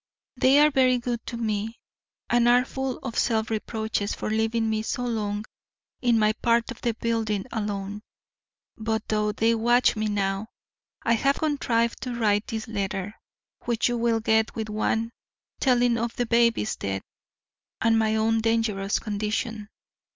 They are very good to me, and are full of self reproaches for leaving me so long in my part of the building alone. But though they watch me now, I have contrived to write this letter, which you will get with the one telling of the baby's death and my own dangerous condition.